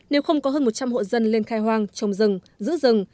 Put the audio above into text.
nếu không có hơn một trăm linh hộ dân lên khai hoang trồng rừng giữ rừng